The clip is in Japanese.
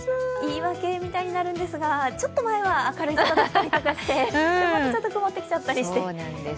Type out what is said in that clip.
いいわけみたいになるんですがちょっと前は明るい空だったりとかして、また曇ってきちゃったりして。